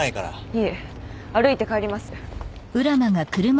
いえ歩いて帰ります。